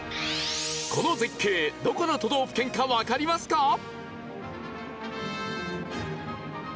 この絶景どこの都道府県かわかりますか？